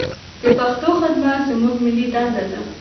د پښتو خدمت زموږ ملي دنده ده.